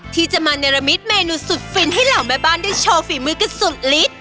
ที่จะมาเนรมิตเมนูสุดฟินให้เหล่าแม่บ้านได้โชว์ฝีมือกันสุดลิด